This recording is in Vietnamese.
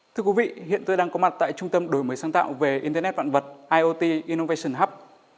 thưa quý vị hiện tôi đang có mặt tại trung tâm đổi mới sáng tạo về internet vạn vật iot innovation hub